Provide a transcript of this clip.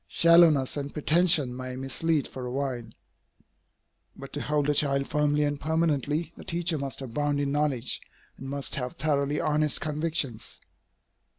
Shallowness and pretension may mislead for a while. But to hold a child firmly and permanently, the teacher must abound in knowledge, and must have thoroughly honest convictions.